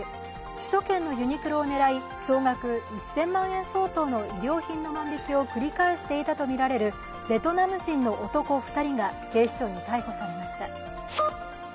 首都圏のユニクロを狙い総額１０００万円相当の衣料品の万引きを繰り返していたとみられるベトナム人の男２人が警視庁に逮捕されました。